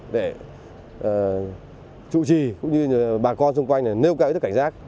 để trụ trì cũng như bà con xung quanh nêu cao ý thức cảnh giác